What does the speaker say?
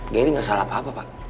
gini gak salah apa apa pak